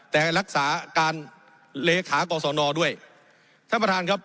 แต่รักษาการเลขากรสนด้วยท่านประธานครับ